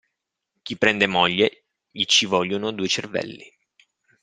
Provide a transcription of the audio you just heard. Chi prende moglie gli ci vogliono due cervelli.